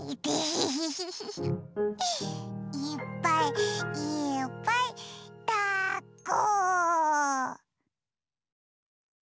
いっぱいいっぱいだっこ！